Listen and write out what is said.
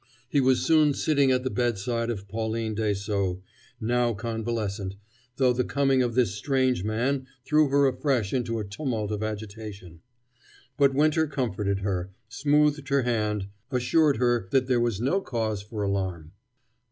He was soon sitting at the bedside of Pauline Dessaulx, now convalescent, though the coming of this strange man threw her afresh into a tumult of agitation. But Winter comforted her, smoothed her hand, assured her that there was no cause for alarm.